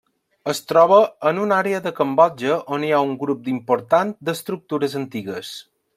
Es troba en una àrea de Cambodja on hi ha un grup important d'estructures antigues.